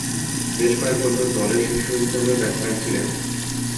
বেশ কয়েক বছর দলের শীর্ষস্থানীয় ব্যাটসম্যান ছিলেন।